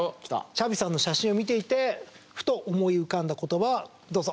シャビさんの写真を見ていてふと思い浮かんだ言葉はどうぞ！